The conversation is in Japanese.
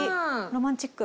ロマンチック。